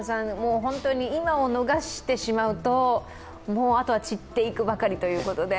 今を逃してしまうと、あとは散っていくばかりということで。